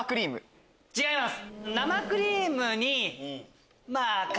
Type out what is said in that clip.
違います。